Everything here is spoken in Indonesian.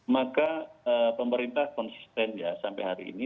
maka pemerintah konsisten ya sampai hari ini